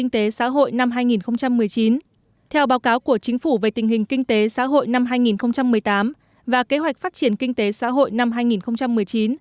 theo báo cáo của chính phủ về tình hình kinh tế xã hội năm hai nghìn một mươi tám và kế hoạch phát triển kinh tế xã hội năm hai nghìn một mươi chín